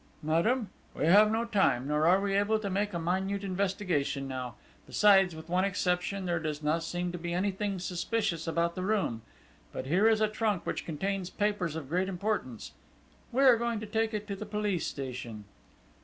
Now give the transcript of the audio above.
"Madame, we have no time, nor are we able to make a minute investigation now. Besides, with one exception, there does not seem to be anything suspicious about the room; but here is a trunk which contains papers of great importance. We are going to take it to the police station."